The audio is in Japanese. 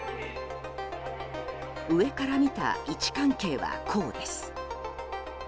上から見た位置関係はこうです。